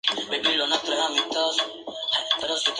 Ella les dice que vayan a la casa de los gigantes al norte.